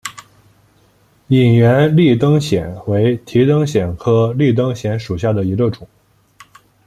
隐缘立灯藓为提灯藓科立灯藓属下的一个种。